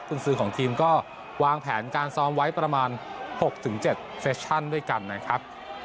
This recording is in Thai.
คุณซื้อของทีมก็วางแผนการซ้อมไว้ประมาณ๖๗เฟชชั่นด้วยกันนะครับ